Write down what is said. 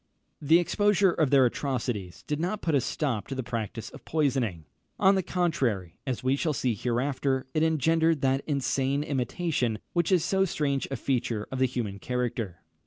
The exposure of their atrocities did not put a stop to the practice of poisoning. On the contrary, as we shall see hereafter, it engendered that insane imitation which is so strange a feature of the human character.